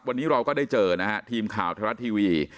วันนี้เราก็ได้เจอทีมข่าวเทศรัทย์ทีวี